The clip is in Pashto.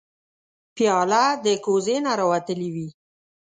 پیاله د کوزې نه راوتلې وي.